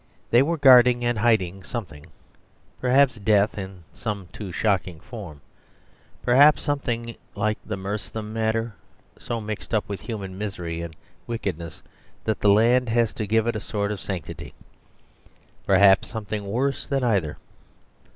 They were guarding and hiding something; perhaps death in some too shocking form, perhaps something like the Merstham matter, so mixed up with human mystery and wickedness that the land has to give it a sort of sanctity; perhaps something worse than either.